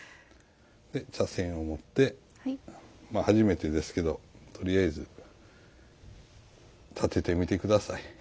茶筅を持ってまあ初めてですけどとりあえず点ててみて下さい。